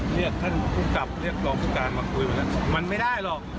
เรียกท่านผู้กลับเดียกรองคุกการมาคุยแต่มันไม่ได้หรอก